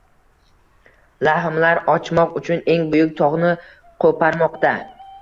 Lahmlar ochmoq uchun eng buyuk togʻni qoʻparmoqda